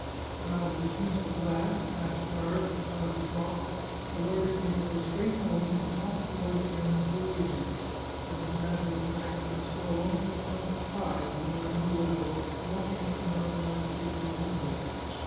When I was dismissed at last, half starved, at five o'clock, he ordered me to go straight home, and not to go out again the whole evening. And as a matter of fact I saw one of his private spies, whom I know well, walking up and down my street till midnight.